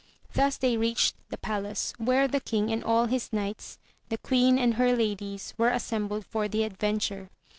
Thus they reached the palace, where the king and all his knights, the queen and her ladies, were assembled for the adventure.